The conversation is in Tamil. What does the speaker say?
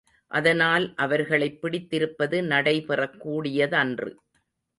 அதனால் அவர்களைப் பிடித்திருப்பது நடைபெறக்கூடியதன்று.